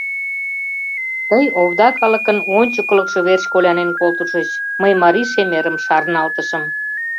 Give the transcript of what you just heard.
Тый овда калыкын ончыклыкшо верч колянен колтышыч, мый марий шемерым шарналтышым.